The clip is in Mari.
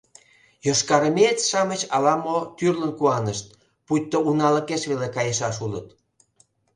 Йошкарармеец-шамыч ала-мо тӱрлын куанышт — пуйто уналыкеш веле кайышаш улыт.